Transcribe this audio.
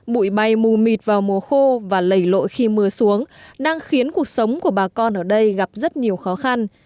bụi bay mù mịt vào mùa khô và lầy lội khi mưa xuống đang khiến cuộc sống của bà con ở đây gặp rất nhiều khó khăn